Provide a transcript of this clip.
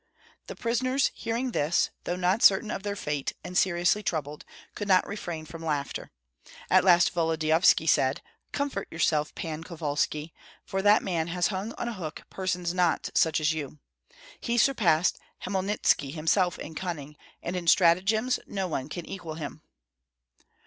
The prisoners, hearing this, though not certain of their fate and seriously troubled, could not refrain from laughter; at last Volodyovski said, "Comfort yourself, Pan Kovalski, for that man has hung on a hook persons not such as you. He surpassed Hmelnitski himself in cunning, and in stratagems no one can equal him."